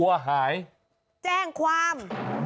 วัวหายแจ้งความ